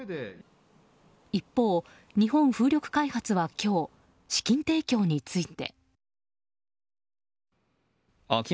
一方、日本風力開発は今日資金提供について。